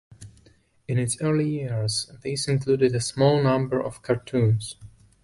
In its early years, these included a small number of cartoons.